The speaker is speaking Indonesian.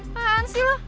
kan sih lo